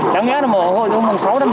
đáng nghe là mở hội thông bằng sáu năm riêng